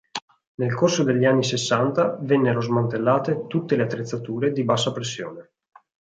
Nel corso degli anni sessanta vennero smantellate tutte le attrezzature di bassa pressione.